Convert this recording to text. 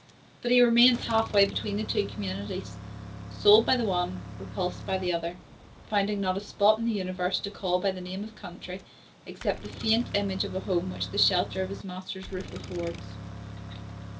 But he remains half way between the two communities; sold by the one, repulsed by the other; finding not a spot in the universe to call by the name of country, except the faint image of a home which the shelter of his master's roof affords.